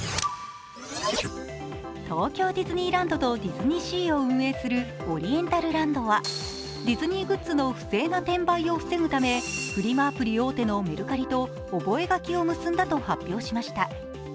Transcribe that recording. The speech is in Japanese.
東京ディズニーランドとディズニーシーを運営するオリエンタルランドはディズニーグッズの不正な転売を防ぐため、フリマサイト大手のメルカリと覚書を結んだと発表しました。